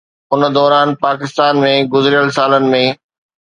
ان دوران پاڪستان ۾ گذريل سالن ۾